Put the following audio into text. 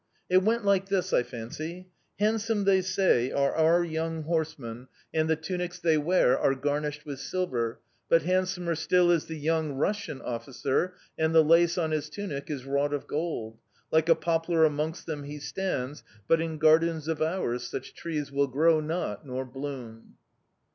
"It went like this, I fancy: 'Handsome, they say, are our young horsemen, and the tunics they wear are garnished with silver; but handsomer still is the young Russian officer, and the lace on his tunic is wrought of gold. Like a poplar amongst them he stands, but in gardens of ours such trees will grow not nor bloom!